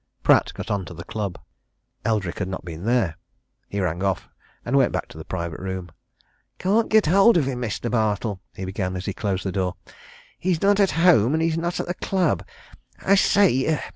Pratt got on to the club: Eldrick had not been there. He rang off, and went back to the private room. "Can't get hold of him, Mr. Bartle," he began, as he closed the door. "He's not at home, and he's not at the club. I say!